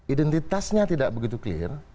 identitasnya tidak begitu clear